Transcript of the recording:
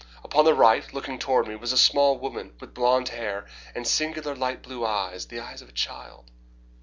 Upon the right, looking toward me, was a small woman with blonde hair and singular, light blue eyes the eyes of a child.